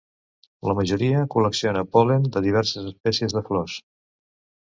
La majoria col·lecciona pol·len de diverses espècies de flors.